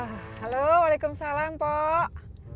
halo waalaikumsalam pok